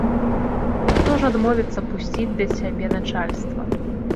Хто ж адмовіцца пусціць да сябе начальства?